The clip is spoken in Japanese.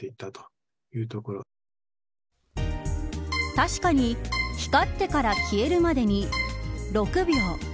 確かに光ってから消えるまでに６秒。